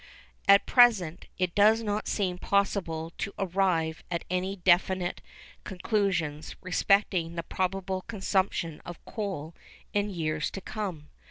At present it does not seem possible to arrive at any definite conclusions respecting the probable consumption of coal in years to come.